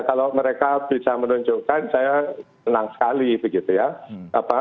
kalau mereka bisa menunjukkan saya senang sekali